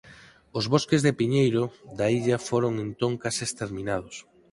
Os bosques de piñeiro da illa foron entón case exterminados.